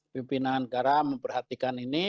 pimpinan negara memperhatikan ini